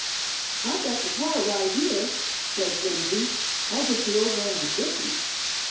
"I've got the car right here," said Jimsy. "I'll get you over in a jiffy."